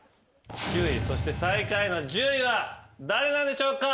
９位そして最下位の１０位は誰なんでしょうか。